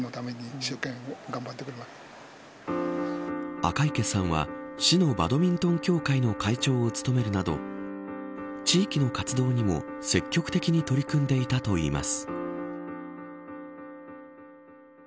赤池さんは市のバドミントン協会の会長を務めるなど地域の活動にも積極的に取り組んでいたといいます。